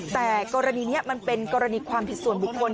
แต่กรณีนี้มันเป็นกรณีความผิดส่วนบุคคล